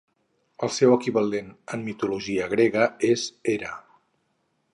El seu equivalent en mitologia grega és Hera.